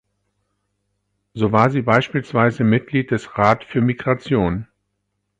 So war sie beispielsweise Mitglied des Rat für Migration.